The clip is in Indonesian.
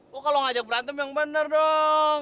gua kalau ngajak berantem yang bener dong